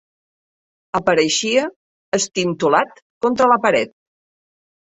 Apareixia estintolat contra la paret